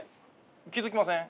気付きません？